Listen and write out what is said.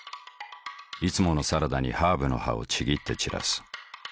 いつものサラダにハーブの葉をちぎって散らす。